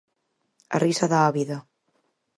"A risa dá a vida".